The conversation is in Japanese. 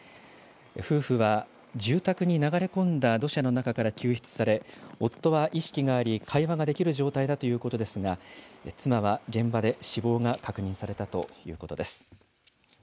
夫婦は住宅に流れ込んだ土砂の中から救出され、夫は意識があり、会話ができる状態だということですが、妻は現場で死亡が確認されたということです。